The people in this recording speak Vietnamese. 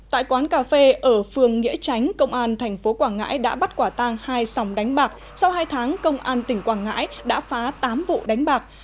tại quán cà phê ở phường nghĩa tránh công an tp quảng ngãi đã bắt quả tang hai sòng đánh bạc sau hai tháng công an tỉnh quảng ngãi đã phá tám vụ đánh bạc